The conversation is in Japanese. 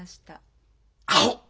アホ！